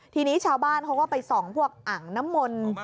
ทีนี้ชาวบ้านเขาก็ไปส่องพวกอ่างน้ำมนต์